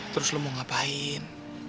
terus lo mau ngapain